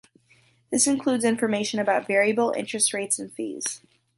This includes information about variable interest rates and fees.